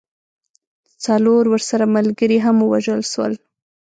څلور ورسره ملګري هم ووژل سول.